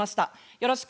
よろしく。